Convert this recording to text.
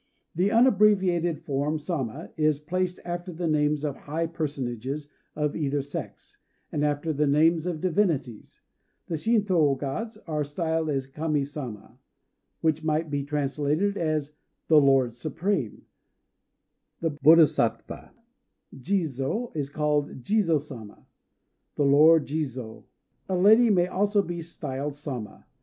The unabbreviated form Sama is placed after the names of high personages of either sex, and after the names of divinities: the Shintô Gods are styled the Kami Sama, which might be translated as "the Lords Supreme"; the Bodhisattva Jizô is called Jizô Sama, "the Lord Jizô." A lady may also be styled "Sama."